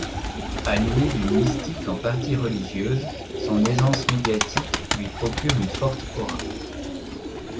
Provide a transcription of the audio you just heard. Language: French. Animé d'une mystique en partie religieuse, son aisance médiatique lui procure une forte aura.